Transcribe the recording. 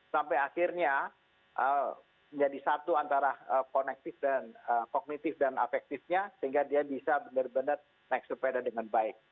sampai akhirnya menjadi satu antara kognitif dan efektifnya sehingga dia bisa benar benar naik sepeda dengan baik